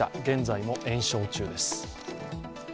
現在も延焼中です。